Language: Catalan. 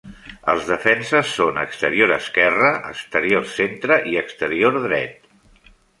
Els defenses són exterior esquerre, exterior centre i exterior dret.